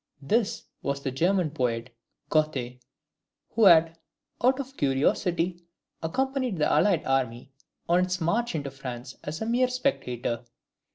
This was the German poet, Goethe, who had, out of curiosity, accompanied the allied army on its march into France as a mere spectator.